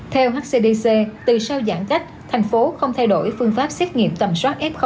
theo hcdc từ sau giãn cách thành phố không thay đổi phương pháp xét nghiệm tầm soát f